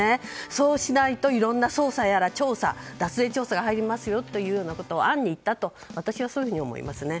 そうしないと、いろんな捜査やら脱税調査が入りますよと暗に言ったんだと私はそういうふうに思いますね。